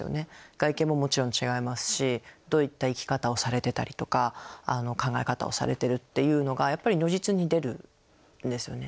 外見ももちろん違いますしどういった生き方をされてたりとか考え方をされてるっていうのがやっぱり如実に出るんですよね。